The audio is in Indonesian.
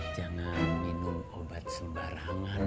jangan minum obat sembarangan